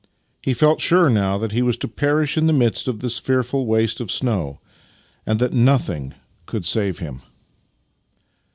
He felt sure now that he was to perish in the midst of this fearful waste of snow, and that nothing could save him.